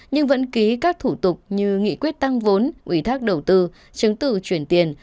nhưng vẫn ký các thủ tục như nghị quyết tăng vốn ủy thác đầu tư chứng từ chuyển tiền